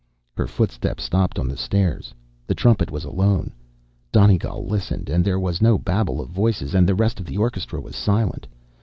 Her footsteps stopped on the stairs. The trumpet was alone. Donegal listened; and there was no babble of voices, and the rest of the orchestra was silent.